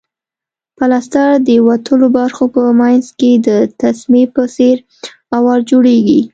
پلستر د وتلو برخو په منځ کې د تسمې په څېر اوار جوړیږي.